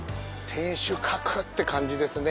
天守閣って感じですね